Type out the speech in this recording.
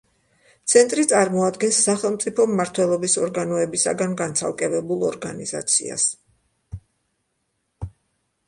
ცენტრი წარმოადგენს სახელმწიფო მმართველობის ორგანოებისაგან განცალკევებულ ორგანიზაციას.